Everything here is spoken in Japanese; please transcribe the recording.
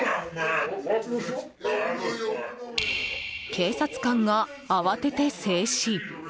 警察官が慌てて制止。